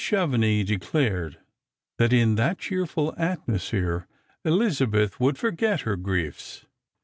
Chevenix declared that in that cheerful atmo sphere Elizabeth would forget her griefs.